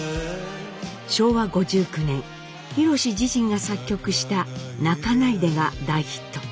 昭和５９年ひろし自身が作曲した「泣かないで」が大ヒット。